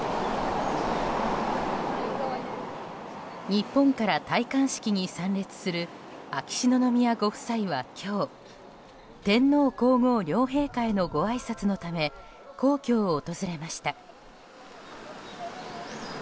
日本から戴冠式に参列する秋篠宮ご夫妻は今日天皇・皇后両陛下へのごあいさつのため皇居を訪れました。